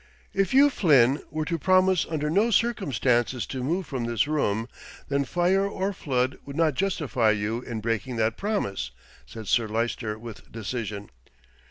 "If you, Flynn, were to promise under no circumstances to move from this room, then fire or flood would not justify you in breaking that promise," said Sir Lyster with decision.